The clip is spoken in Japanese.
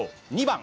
２番。